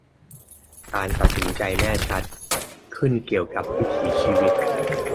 การตัดสินใจแน่ชัดขึ้นเกี่ยวกับวิถีชีวิต